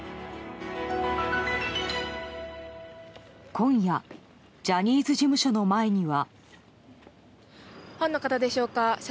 今夜ジャニーズ事務所の前には。